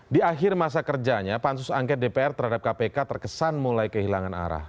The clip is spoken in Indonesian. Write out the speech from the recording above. di akhir masa kerjanya pansus angket dpr terhadap kpk terkesan mulai kehilangan arah